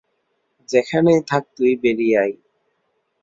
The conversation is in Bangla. যেখানেই থাক তুই, বেড়িয়ে আয়।